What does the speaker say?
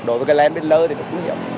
đối với cái lén bên lơ thì rất nguy hiểm